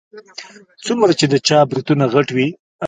څومره چې د چا برېتونه غټ وي.